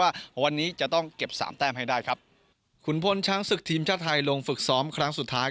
ว่าวันนี้จะต้องเก็บสามแต้มให้ได้ครับขุนพลช้างศึกทีมชาติไทยลงฝึกซ้อมครั้งสุดท้าย